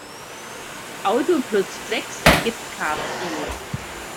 Auto plus Flex ergibt Cabrio.